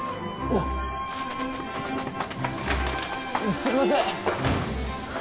すいません！